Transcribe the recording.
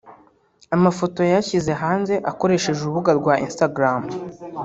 Amafoto yayashyize hanze akoresheje urubuga rwa Instagram